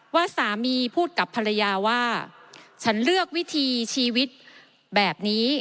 ว่าสามีพูดกับภรรยาว่าฉันเลือกวิธีชีวิตแบบนี้